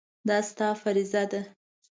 دا ستا فریضه ده.